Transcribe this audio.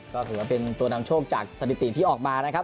ก็ถือว่าเป็นตัวนำโชคจากสถิติที่ออกมานะครับ